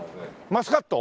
マスカット？